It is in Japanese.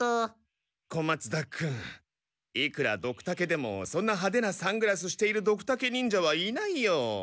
小松田君いくらドクタケでもそんなハデなサングラスしているドクタケ忍者はいないよ。